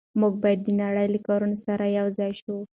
موږ باید د نړۍ له کاروان سره یوځای شو.